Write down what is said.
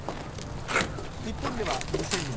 日本では２００６年